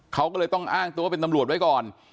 เขาก็เลยต้องอ้างตัวเป็นตำรวจไว้ก่อน